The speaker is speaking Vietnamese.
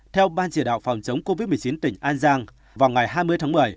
theo ban chỉ đạo phòng chống covid một mươi chín tỉnh an giang vào ngày hai mươi tháng một mươi